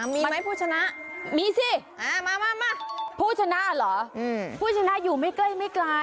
มีไหมผู้ชนะมา